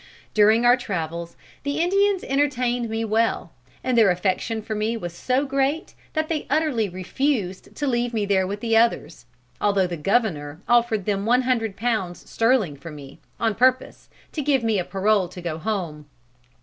"During our travels, the Indians entertained me well, and their affection for me was so great, that they utterly refused to leave me there with the others, although the Governor offered them one hundred pounds sterling for me, on purpose to give me a parole to go home.